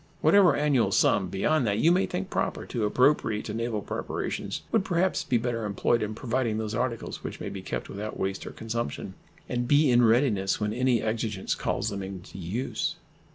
Whatever annual sum beyond that you may think proper to appropriate to naval preparations would perhaps be better employed in providing those articles which may be kept without waste or consumption, and be in readiness when any exigence calls them into use.